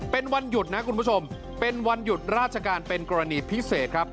เป็นวันหยุดนะคุณผู้ชมเป็นวันหยุดราชการเป็นกรณีพิเศษครับ